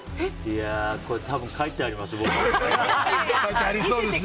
多分書いてありますよ。